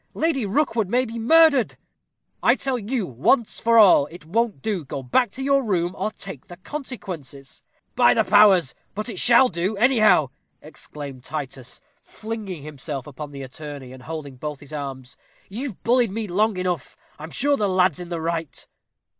Lady Rookwood may be murdered." "I tell you, once for all, it won't do. Go back to your room, or take the consequences." "By the powers! but it shall do, anyhow," exclaimed Titus, flinging himself upon the attorney, and holding both his arms; "you've bullied me long enough. I'm sure the lad's in the right."